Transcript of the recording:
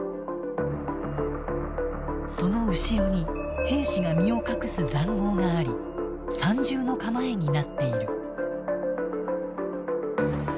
その後ろに兵士が身を隠す塹壕があり３重の構えになっている。